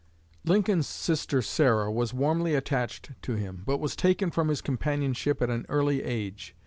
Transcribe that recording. '" Lincoln's sister Sarah was warmly attached to him, but was taken from his companionship at an early age.